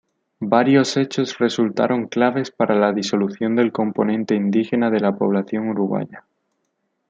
Varios hechos resultaron claves para la disolución del componente indígena de la población uruguaya.